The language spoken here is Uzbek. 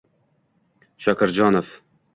shokirjonov